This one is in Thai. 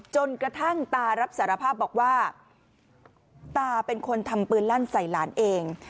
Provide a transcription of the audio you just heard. จนกระทั่งตารับสารภาพบอกว่าตาเป็นคนทำปืนลั่นใส่หลานเอง